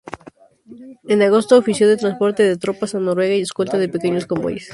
En agosto ofició de transporte de tropas a Noruega y escolta de pequeños convoyes.